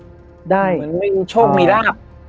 เหมือนไม่มีโชคมีราบ